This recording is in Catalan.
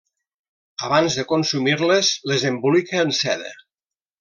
Abans de consumir-les, les embolica en seda.